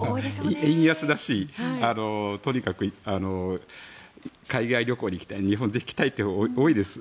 円安だしとにかく海外旅行に行きたい日本にぜひ行きたい方多いです。